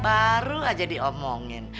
baru aja diomongin